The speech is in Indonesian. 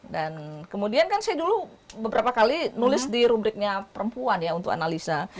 dan kemudian kan saya dulu beberapa kali nulis di rubriknya perempuan ya untuk analisa